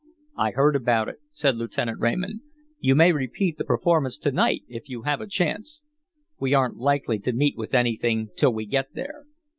"I heard about it," said Lieutenant Raymond. "You may repeat the performance to night if you have a chance. We aren't likely to meet with anything till we get there."